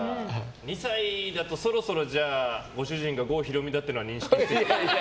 ２歳だと、そろそろご主人が郷ひろみだというのは認識して？